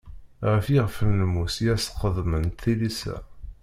Ɣef yixef n lmus i as-qemḍen tilisa.